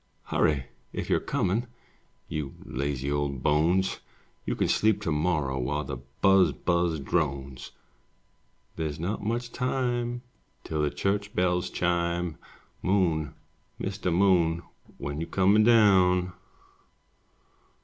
Hurry, if you 're comin'. You lazy old bones! You can sleep to morrow While the Buzbuz drones; There 's not much time Till the church bells chime. Moon, Mr. Moon, When you comin' down?